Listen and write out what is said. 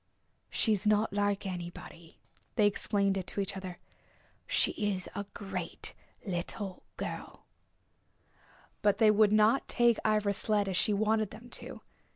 "She is not like anybody," they explained it to each other. "She is a great little girl." But they would not take Ivra's sled as she wanted them to.